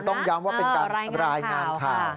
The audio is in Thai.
ผมต้องย้ำว่าเป็นการครับนะครับรายงานข่าว